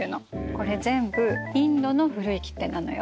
これ全部インドの古い切手なのよ。